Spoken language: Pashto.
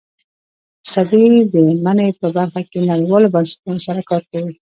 افغانستان د منی په برخه کې نړیوالو بنسټونو سره کار کوي.